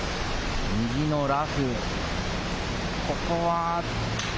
右のラフ。